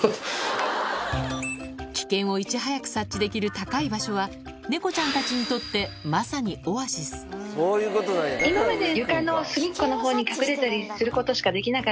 危険をいち早く察知できる高い場所はネコちゃんたちにとってまさにオアシスと思いますので。